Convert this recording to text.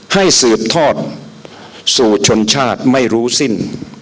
สืบทอดสู่ชนชาติไม่รู้สิ้น